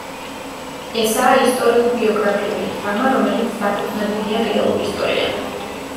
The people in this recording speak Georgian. ესაა ისტორიულ-ბიოგრაფიული დრამა, რომელიც დაფუძნებულია რეალურ ისტორიაზე.